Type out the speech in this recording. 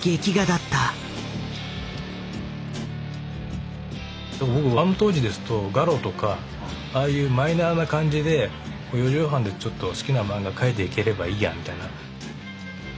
だから僕あの当時ですと「ガロ」とかああいうマイナーな感じで４畳半でちょっと好きな漫画描いていければいいやみたいな。